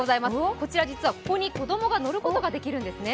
ここに実は子供が乗ることができるんですね。